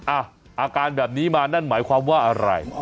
อาการแบบนี้มานั่นหมายความว่าอะไร